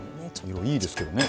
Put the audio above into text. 色いいですけどね